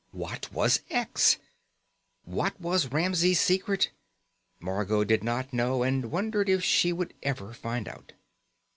What was X? What was Ramsey's secret? Margot did not know, and wondered if she would ever find out.